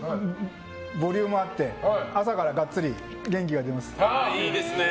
ボリュームあって朝からガッツリ元気が出ます。